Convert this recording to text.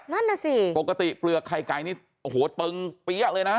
นั่นนะสิปกติเปลือกไข่ไก่นี่เติงเปี้๊ะเลยนะ